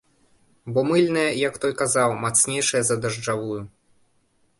Бо мыльная, як той казаў, мацнейшая за дажджавую.